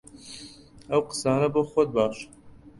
ئەو قسانە بۆ خۆت باشە!